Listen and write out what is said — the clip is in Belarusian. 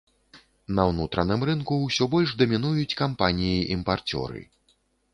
На ўнутраным рынку ўсё больш дамінуюць кампаніі імпарцёры.